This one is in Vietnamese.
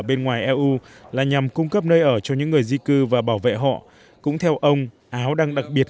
bên ngoài eu là nhằm cung cấp nơi ở cho những người di cư và bảo vệ họ cũng theo ông áo đang đặc biệt